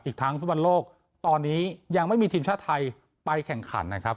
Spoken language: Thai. อีกทั้งฟุตบอลโลกตอนนี้ยังไม่มีทีมชาติไทยไปแข่งขันนะครับ